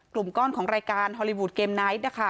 กลุ่มก้อนของรายการฮอลลีวูดเกมไนท์นะคะ